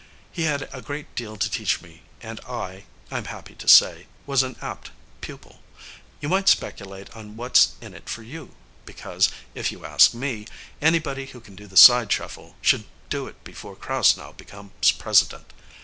He had a great deal to teach me and I, I'm happy to say, was an apt pupil. You might speculate on what's in it for you, because, if you ask me, anybody who can do the side shuffle should do it before Krasnow becomes President.